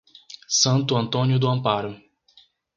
Santo Antônio do Amparo